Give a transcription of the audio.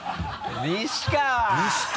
西川！